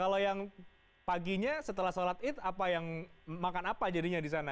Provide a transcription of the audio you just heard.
kalau yang paginya setelah sholat eat makan apa jadinya di sana